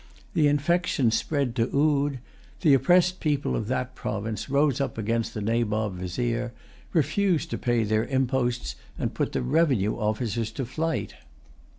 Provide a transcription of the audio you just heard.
The infection spread to Oude. The oppressed people of that province rose up against the Nabob Vizier, refused to pay their imposts, and put the revenue officers to flight.